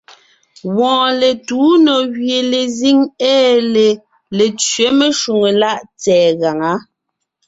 Wɔɔn letuu nò gẅie lezíŋ ée lê Letẅě meshwóŋè láʼ tsɛ̀ɛ gaŋá.